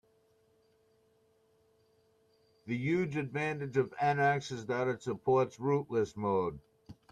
The huge advantage of NX is that it supports "rootless" mode.